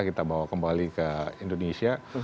kita bawa kembali ke indonesia